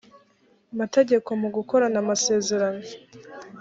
mategeko mu gukorana amasezerano